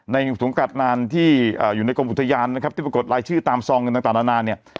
สังกัดนานที่อยู่ในกรมอุทยานนะครับที่ปรากฏรายชื่อตามซองเงินต่างนานาเนี่ย